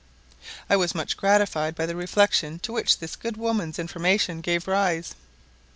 I was much gratified by the reflection to which this good woman's information gave rise.